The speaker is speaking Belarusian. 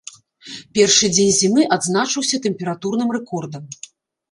Першы дзень зімы адзначыўся тэмпературным рэкордам.